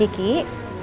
hai mbak gigi